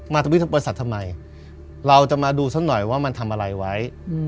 มาบริษัททำไมเราจะมาดูซักหน่อยว่ามันทำอะไรไว้